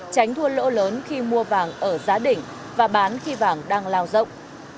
tránh thua lỗ lớn khi mua vàng ở giá đỉnh và bán khi vàng đang lao rộng